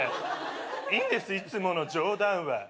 いいんですいつもの冗談は。